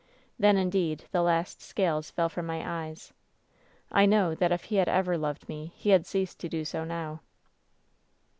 Then, indeed, the last scales fell from my eyes. I know that if he had ever loved me, he had ceased to do so now.